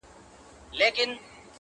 ت